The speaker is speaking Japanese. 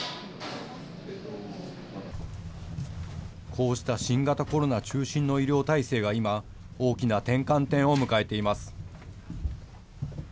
こうした新型コロナ中心の医療体制が今、大きな転換点を迎えています。